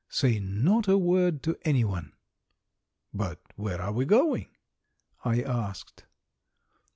Say not a word to any one." "But where are we going?" I asked.